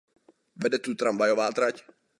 Vede tu tramvajová trať.